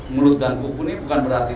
mulut dan kuku ini bukan berarti